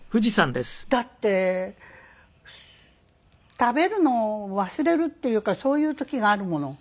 だって食べるのを忘れるっていうかそういう時があるもの。